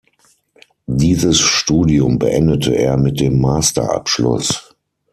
Dieses Studium beendete er mit dem Master-Abschluss.